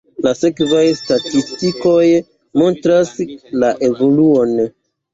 La sekvaj statistikoj montras la evoluon.